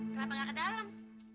kenapa gak ke dalam